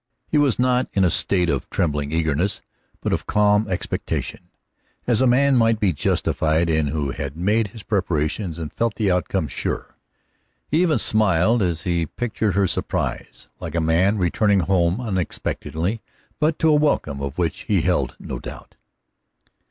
He was not in a state of trembling eagerness, but of calm expectation, as a man might be justified in who had made his preparations and felt the outcome sure. He even smiled as he pictured her surprise, like a man returning home unexpectedly, but to a welcome of which he held no doubt.